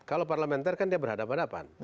kalau parlementer kan dia berhadapan hadapan